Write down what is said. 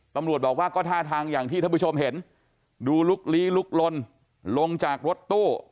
ตำรวจบอกว่าก็ท่าทางอย่างที่ท่านผู้ชมเห็นดูลุกลี้ลุกลนลงจากรถตู้